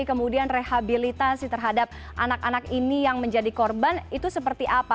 kemudian rehabilitasi terhadap anak anak ini yang menjadi korban itu seperti apa